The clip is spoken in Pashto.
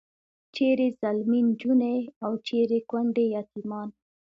چیرې ځلمي نجونې او چیرې کونډې یتیمان.